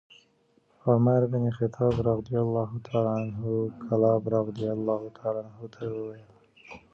عمر بن الخطاب رضي الله عنه کلاب رضي الله عنه ته وویل: